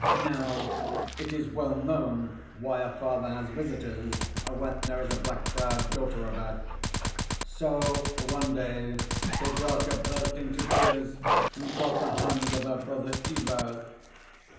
Now, it is well known why a father has visitors when there is a black browed daughter about. So, one day, Pidorka burst into tears, and caught the hand of her brother Ivas.